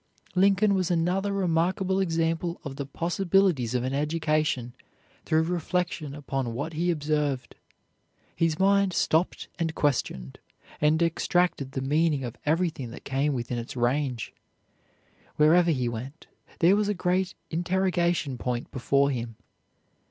Lincoln was another remarkable example of the possibilities of an education through reflection upon what he observed. His mind stopped and questioned, and extracted the meaning of everything that came within its range. Wherever he went, there was a great interrogation point before him.